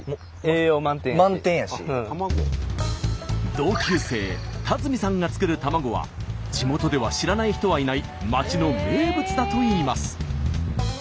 同級生田隅さんが作る卵は地元では知らない人はいない町の名物だといいます。